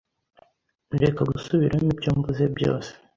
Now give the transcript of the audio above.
Reka gusubiramo ibyo mvuze byose.